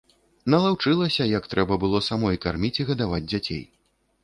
Налаўчылася, як трэба было самой карміць і гадаваць дзяцей.